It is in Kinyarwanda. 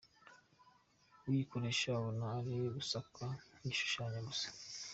Uyikoresha abona uri gusakwa nk’igishushanyo gusa.